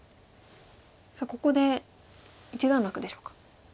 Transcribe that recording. さあここで一段落でしょうか。